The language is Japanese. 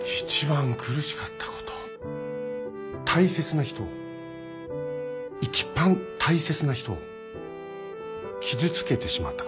大切な人を一番大切な人を傷つけてしまったこと。